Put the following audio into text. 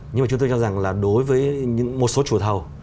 nhưng mà chúng tôi cho rằng là đối với một số chủ thầu